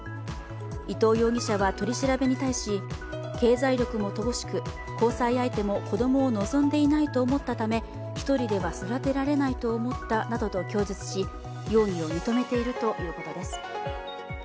伊藤容疑者は取り調べに対し経済力も乏しく、交際相手も子供を望んでいないと思ったため、一人では育てられないと思ったなどと供述し、容疑を認めているということです。